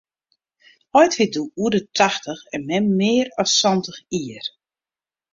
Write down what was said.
Heit wie doe oer de tachtich en mem mear as santich jier.